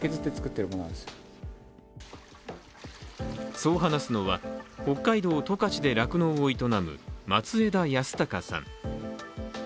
そう話すのは、北海道・十勝で酪農を営む松枝靖孝さん。